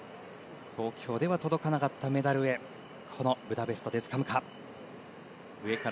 東京では届かなかったメダルへこのブダペストでつかむか。